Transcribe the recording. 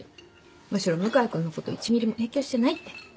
むしろ向井君のこと１ミリも影響してないって。